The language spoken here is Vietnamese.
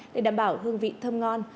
để đảm bảo hương vị thơm ngon